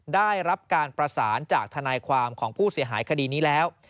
ได้รับการประสานจากทนายความของผู้เสียหายคดีนี้แล้ว